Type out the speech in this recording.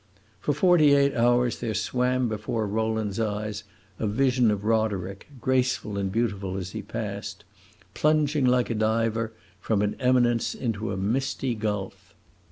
For forty eight hours there swam before Rowland's eyes a vision of Roderick, graceful and beautiful as he passed, plunging, like a diver, from an eminence into a misty gulf.